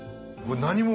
何も。